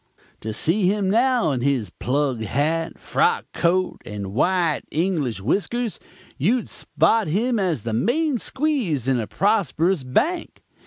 To see him, now, in his plug hat, frock coat and white English whiskers, you'd spot him as the main squeeze in a prosperous bank.